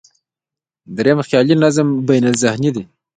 درېیم، خیالي نظم بینالذهني دی.